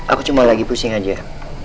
aku cuma lagi pusing aja